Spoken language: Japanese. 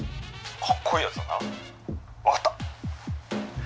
「かっこいいやつだな。分かった！」。